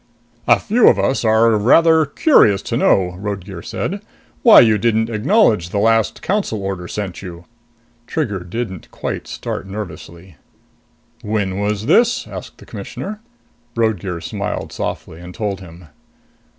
"A few of us are rather curious to know," Roadgear said, "why you didn't acknowledge the last Council Order sent you." Trigger didn't quite start nervously. "When was this?" asked the Commissioner. Roadgear smiled softly and told him.